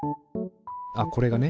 あっこれがね